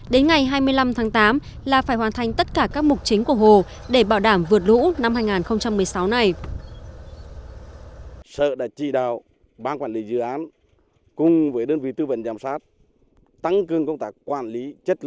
đến ngày hai mươi năm tháng tám là phải hoàn thành tất cả các mục chính của hồ để bảo đảm vượt lũ năm hai nghìn một mươi sáu này